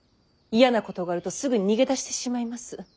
嫌なことがあるとすぐに逃げ出してしまいます。